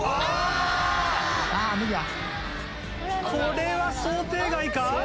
これは想定外か？